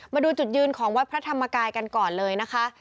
มาดูจุดยืนของวัดพระธรรมกายกันก่อนเลยนะคะ